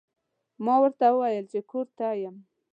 ما ورته وویل چې کور ته یم.